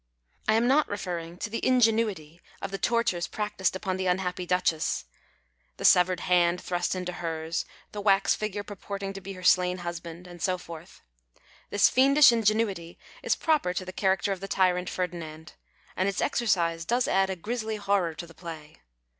I am not referring to the ingenuity of the tortures prac tised upon the unhappy Duchess — the severed hand thrust into hers, the wax figure purporting to be her slain husband, and so forth. This fiendish ingenuity is proper to the character of the tyrant Ferdinand, and its exercise does add a grisly horror to the play.